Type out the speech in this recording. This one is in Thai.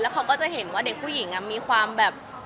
เขาก็จะเห็นว่าเด็กผู้หญิงมีความแบบ